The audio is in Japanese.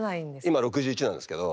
今６１なんですけど。